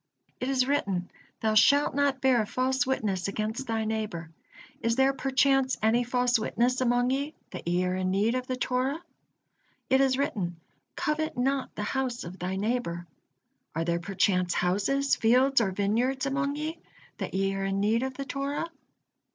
It is written: 'Thou shalt not bear false witness against thy neighbor.' Is there perchance any false witness among ye, that ye are in need of the Torah? It is written: 'Covet not the house of thy neighbor.' Are there perchance houses, fields, or vineyards among ye, that ye are in need of the Torah?"